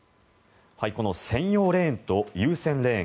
この専用レーンと優先レーン